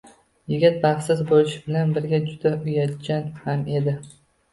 Yigit baxtsiz bo`lish bilan birga juda uyatchan ham edi